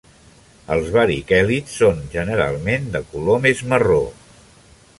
Els bariquèlids són, generalment, de color més marró.